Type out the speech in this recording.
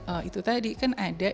oh itu tadi kan ada